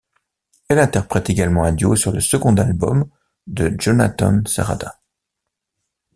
Elle interprète également un duo sur le second album de Jonatan Cerrada.